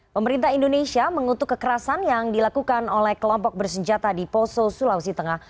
pemerintah indonesia mengutuk kekerasan yang dilakukan oleh kelompok bersenjata di poso sulawesi tengah